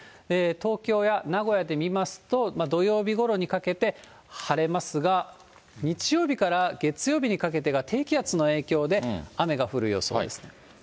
東京や名古屋で見ますと、土曜日ごろにかけて晴れますが、日曜日から月曜日にかけてが低気圧の影響で、雨が降る予想です。